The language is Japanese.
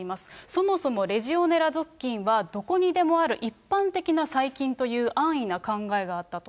そもそもレジオネラ属菌はどこにでもある、一般的な細菌という安易な考えがあったと。